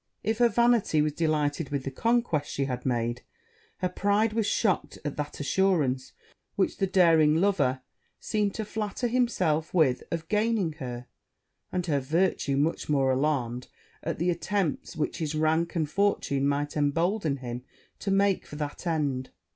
If her vanity was delighted with the conquest she had made, her pride was shocked at that assurance which the daring lover seemed to flatter himself with of gaining her; and her virtue much more alarmed at the attempts which his rank and fortune might embolden him to make for that end.